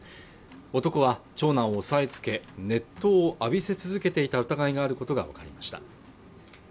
男は長男を押さえつけ、熱湯を浴びせ続けていた疑いがあることがわかりました。